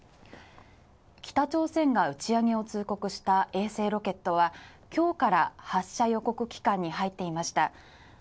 北朝鮮が打ち上げを通告した衛星ロケットは今日から発射予告期間に入っていました。